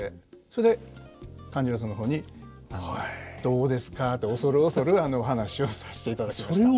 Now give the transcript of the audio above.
それで勘十郎さんの方に「どうですか」と恐る恐るお話をさせていただきました。